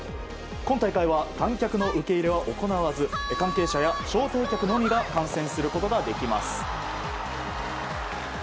今大会は観客の受け入れは行わず関係者や招待客のみが観戦することができます。